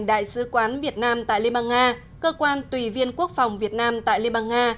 đại sứ quán việt nam tại liên bang nga cơ quan tùy viên quốc phòng việt nam tại liên bang nga